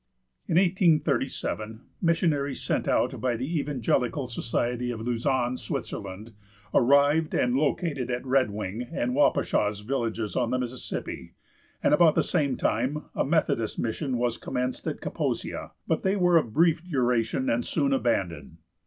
In 1837 missionaries sent out by the Evangelical Society of Lausanne, Switzerland, arrived, and located at Red Wing and Wapashaw's villages, on the Mississippi, and about the same time a Methodist mission was commenced at Kaposia, but they were of brief duration and soon abandoned.